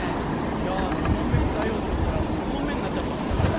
いや２問目答えようと思ったら３問目になっちゃったもんだから。